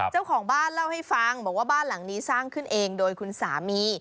เจ้าของบ้านเล่าให้ฟังบอกว่าบ้านหลังนี้สร้างขึ้นเองโดยคุณสามี